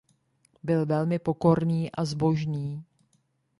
Byl velmi pokorný a zbožný.